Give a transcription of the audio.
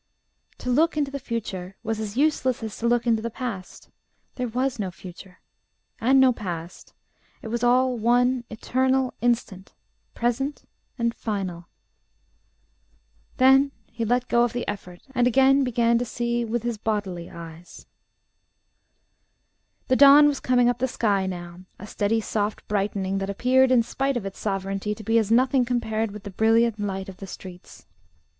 To look into the future was as useless as to look into the past. There was no future, and no past: it was all one eternal instant, present and final.... Then he let go of effort, and again began to see with his bodily eyes. The dawn was coming up the sky now, a steady soft brightening that appeared in spite of its sovereignty to be as nothing compared with the brilliant light of the streets.